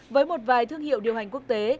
với một vài thương hiệu điều hành quốc tế